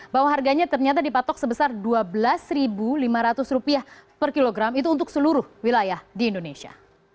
bahwa harganya ternyata dipatok sebesar rp dua belas lima ratus per kilogram itu untuk seluruh wilayah di indonesia